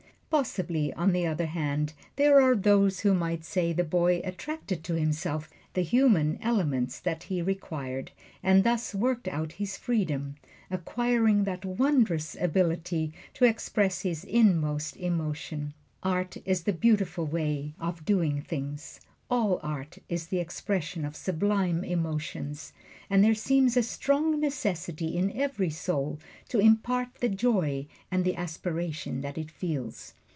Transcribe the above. Possibly, on the other hand, there are those who might say the boy attracted to himself the human elements that he required, and thus worked out his freedom, acquiring that wondrous ability to express his inmost emotions. Art is the beautiful way of doing things. All art is the expression of sublime emotions; and there seems a strong necessity in every soul to impart the joy and the aspiration that it feels.